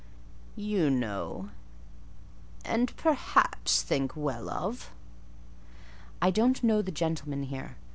"You know—and perhaps think well of." "I don't know the gentlemen here.